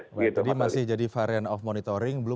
jadi masih jadi varian of monitoring belum